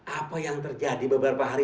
apa yang terjadi beberapa hari